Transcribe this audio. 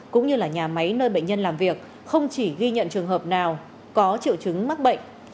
cũng như là nhà máy nơi bệnh nhân làm việc không chỉ ghi nhận trường hợp nào có triệu chứng mắc bệnh